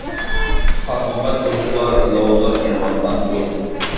قاتمۇقات توسۇقلار، لاۋۇلداپ يېنىۋاتقان ئوت.